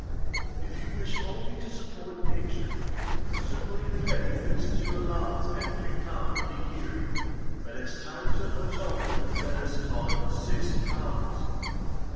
If you wish only to support nature, Sir William Petty fixes your allowance at three pounds a year but as times are much altered, let us call it six pounds.